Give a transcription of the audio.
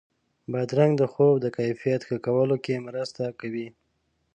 بادرنګ د خوب د کیفیت ښه کولو کې مرسته کوي.